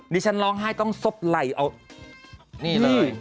ดิฉันร้องไห้ต้องซบไหล่เอานี่เลย